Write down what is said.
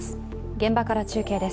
現場から中継です。